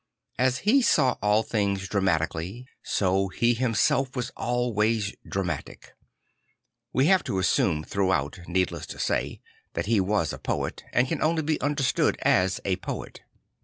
As he sawall things dramatically, so he himself was ahvays dramatic. \Ve have to assume throughout, needless to say, that he was a poet and can only be understood as a poet.